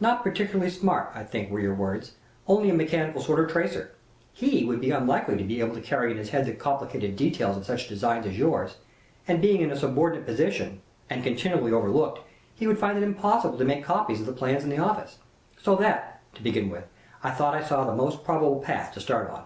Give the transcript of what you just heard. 'Not particularly smart,' I think, were your words only a mechanical sort of tracer. He would be unlikely to be able to carry in his head the complicated details of such designs as yours, and, being in a subordinate position, and continually overlooked, he would find it impossible to make copies of the plans in the office. So that, to begin with, I thought I saw the most probable path to start on.